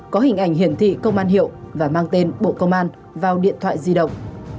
có hình ảnh hiển thị công an hiệu và mang tên bộ công an vào điện thoại di động